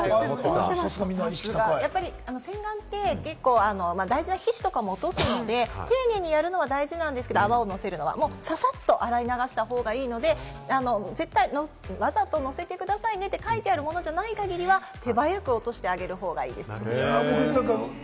洗顔って、大事な皮脂なんかも落とすので、丁寧にやるのは大事なんですけれども、ささっと洗い流した方がいいので、わざとのせてくださいねと書いてあるものじゃない限りは、絶対に手早く落としてあげる方がいいです。